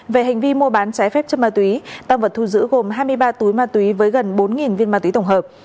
về hành vi mua bán trái phép chất ma túy tăng vật thu giữ gồm hai mươi ba túi ma túy với gần bốn viên ma túy tổng hợp